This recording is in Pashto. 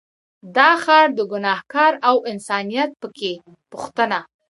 دا ښار دی ګنهار او انسانیت په کې پوښتنه